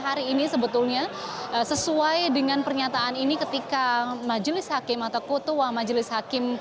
hari ini sebetulnya sesuai dengan pernyataan ini ketika majelis hakim atau ketua majelis hakim